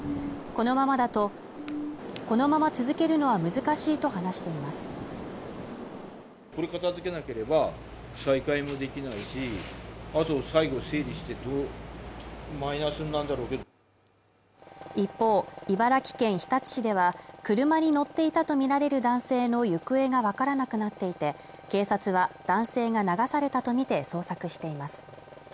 このままだとこのまま続けるのは難しいと話しています一方茨城県日立市では車に乗っていたとみられる男性の行方が分からなくなっていて警察は男性が流されたとみて捜索しています